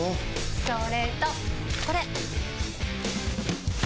それとこれ！